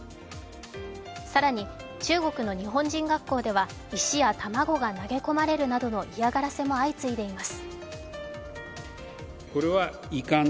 更に、中国の日本人学校では石や卵が投げ込まれるなどの嫌がらせも相次いでいます。